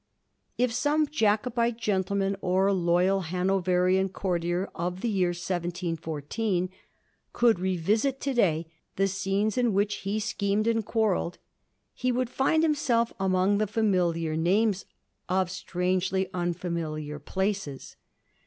If some Jacobite gentleman or loyal Hanoverian courtier of the year 1714 could revisit to day the scenes in which he schemed and quarrelled, he would find himself among the ^miliar names of strangely unfamiliar places.